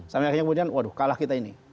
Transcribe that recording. sampai akhirnya kemudian waduh kalah kita ini